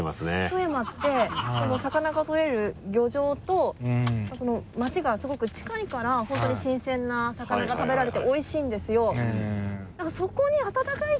富山って魚がとれる漁場と町がすごく近いから本当に新鮮な魚が食べられておいしいんですよ。